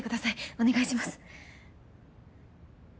お願いします。